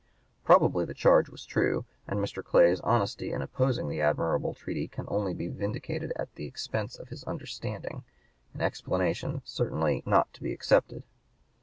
Probably the charge was true, and Mr. Clay's honesty in opposing an admirable treaty can only be vindicated at the expense of his understanding, an explanation certainly not to be accepted.